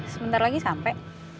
sebentar lagi sampai